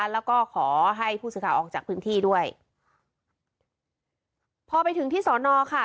แล้วก็ขอให้ผู้สื่อข่าวออกจากพื้นที่ด้วยพอไปถึงที่สอนอค่ะ